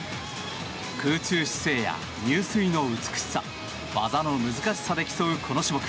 空中姿勢や入水の美しさ技の難しさで競うこの種目。